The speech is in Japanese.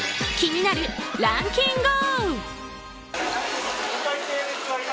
気になるランキンＧＯ！